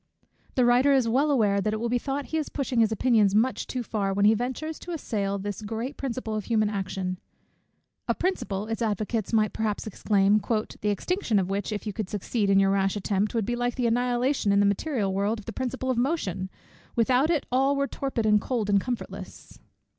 The writer is well aware that it will be thought he is pushing his opinions much too far, when he ventures to assail this great principle of human action; "a principle," its advocates might perhaps exclaim, "the extinction of which, if you could succeed in your rash attempt, would be like the annihilation in the material world of the principle of motion; without it all were torpid and cold and comfortless.